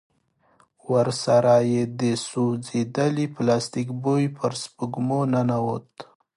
ورسره يې د سوځېدلي پلاستيک بوی پر سپږمو ننوت.